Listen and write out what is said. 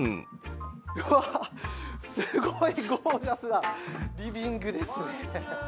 うわ、すごいゴージャスなリビングですね。